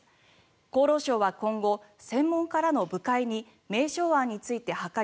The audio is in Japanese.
厚労省は今後、専門家らの部会に名称案について諮り